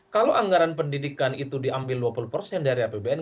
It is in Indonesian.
kalau anggaran pendidikan itu diambil dua puluh persen dari apbn